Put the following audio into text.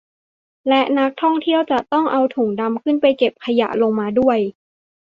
และนักท่องเที่ยวจะต้องเอาถุงดำขึ้นไปเก็บขยะลงมาด้วย